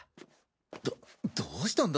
どどうしたんだ？